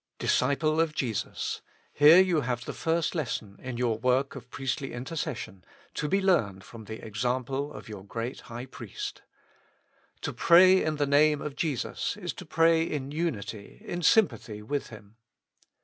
Disciple of Jesus ! here you have the first lesson in your work of priestly intercession, to be learned 220 With Christ in the School of Prayer. from the example of your great High Priest. To pray in the Name of Jesus is to pray in unity, in sym pathy with Him.